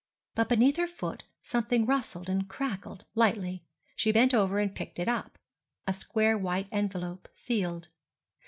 But beneath her foot something rustled and crackled lightly. She bent over and picked it up: a square white envelope, sealed.